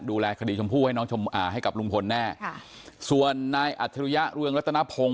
ดูแลคดีชมพู่ให้กับลุงพลแน่ส่วนนายอัฐรุยะเรืองรัตนพงศ์